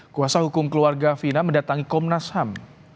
kuasa hukum keluarga fina mendatangi komnas ham